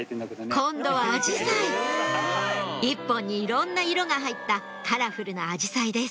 今度はアジサイ１本にいろんな色が入ったカラフルなアジサイです